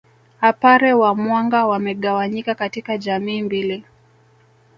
apare wa Mwanga wamegawanyika katika jamii mbili